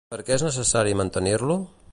Per què és necessari mantenir-lo?